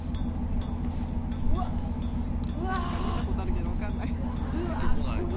何か見たことあるけど分かんない。